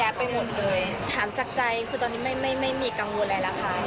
ถามจากใจคือตอนนี้ไม่มีกังวลอะไรแล้วค่ะ